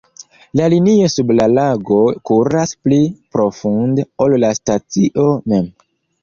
La linio sub la lago kuras pli profunde, ol la stacio mem.